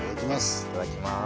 いただきます